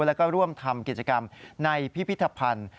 แล้วก็ร่วมทำกิจกรรมในพิพิธภัณฑ์